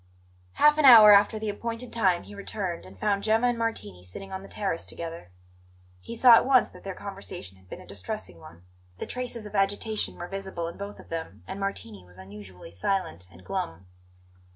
Half an hour after the appointed time he returned, and found Gemma and Martini sitting on the terrace together. He saw at once that their conversation had been a distressing one; the traces of agitation were visible in both of them, and Martini was unusually silent and glum.